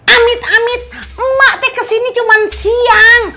amit amit emak saya kesini cuma siang